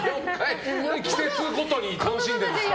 季節ごとに楽しんでるんですかね。